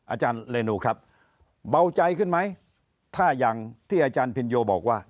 อาจารย์เรนูครับเบาใจขึ้นไหมถ้าอย่างที่อาจารย์พินโยบอกว่า